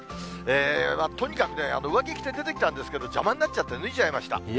とにかくね、上着着て出てきたんですけど、邪魔になっちゃって脱いじゃいました。